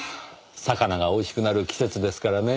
魚がおいしくなる季節ですからねぇ。